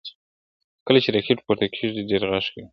کله چې راکټ پورته کیږي ډېر غږ کوي.